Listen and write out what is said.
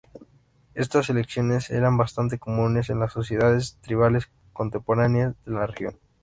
Estas elecciones eran bastante comunes en las sociedades tribales contemporáneas de la región.